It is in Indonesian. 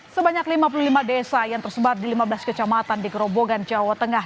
sebanyak lima puluh lima desa yang tersebar di lima belas kecamatan di gerobogan jawa tengah